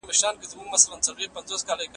لاس لیکنه د انسان د ادراکي ودي ښکارندویي کوي.